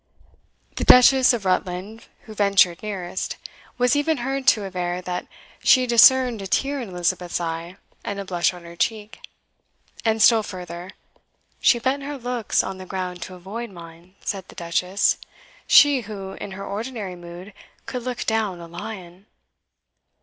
The Duchess of Rutland, who ventured nearest, was even heard to aver that she discerned a tear in Elizabeth's eye and a blush on her cheek; and still further, "She bent her looks on the ground to avoid mine," said the Duchess, "she who, in her ordinary mood, could look down a lion."